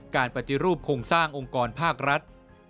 การปฏิรูปโครงสร้างองค์กรภาครัฐ